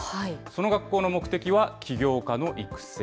その学校の目的は、起業家の育成。